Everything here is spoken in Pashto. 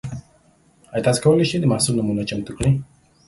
ایا تاسو کولی شئ د محصول نمونه چمتو کړئ؟